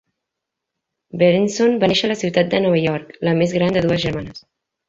Berenson va néixer a la ciutat de Nova York, la més gran de dues germanes.